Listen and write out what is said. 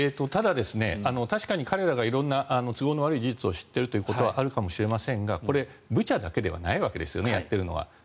ただ、確かに彼らが色んな都合の悪い事実を知っているということはあるかもしれませんがブチャだけではないわけですよねやっているのは。